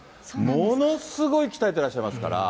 ものすごい鍛えてらっしゃいますから。